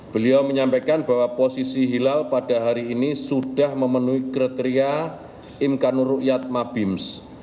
beliau menyampaikan bahwa posisi hilal pada hari ini sudah memenuhi kriteria imkanur rukyat mabims